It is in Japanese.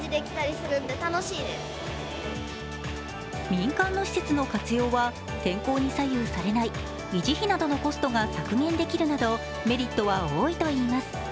民間の施設の活用は天候に左右されない維持費などのコストが削減できる、などメリットは多いといいます。